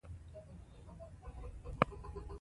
د سفر لیکنې په بریتانیا او امریکا کې مشهورې شوې.